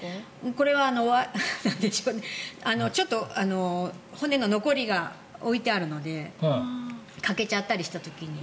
これはちょっと骨の残りが置いてあるので欠けちゃったりした時に。